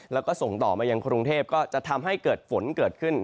แล้วก็ส่งต่อมายังกรุงเทพก็จะทำให้เกิดฝนเกิดขึ้น